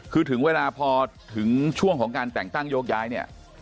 คือถึงเวลาพอถึงช่วงของการแต่งตั้งโยกย้ายเนี่ย